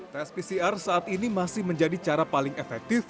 tes pcr saat ini masih menjadi cara paling efektif